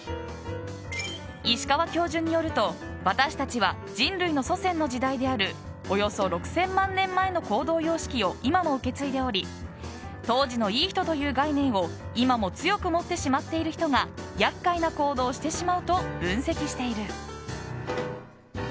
石川教授によると、私たちは人類の祖先の時代であるおよそ６０００万年前の行動様式を今も受け継いでおり当時のいい人という概念を今も強く持ってしまっている人が厄介な行動をしてしまうと分析している。